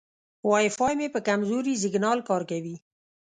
وای فای مې په کمزوري سیګنال کار کوي.